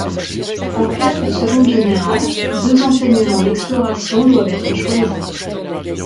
En classe de seconde générale, deux enseignements d'explorations doivent être choisis.